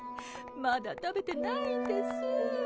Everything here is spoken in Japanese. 「まだ食べてないんです」